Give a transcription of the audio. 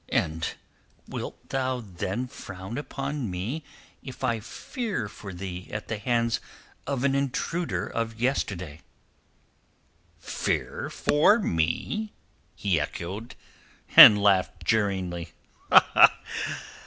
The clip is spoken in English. And wilt thou then frown upon me if I fear for thee at the hands of an intruder of yesterday?" "Fear for me?" he echoed, and laughed jeeringly.